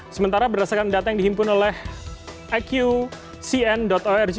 sementara berdasarkan data yang dihimpun oleh eqr